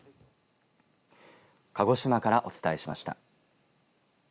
鹿児島からお伝えしました。